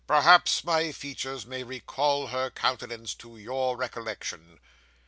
Perhaps my features may recall her countenance to your recollection?